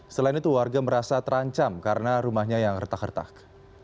selain itu warga merasa terancam karena rumahnya yang retak retak